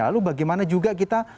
lalu bagaimana juga kita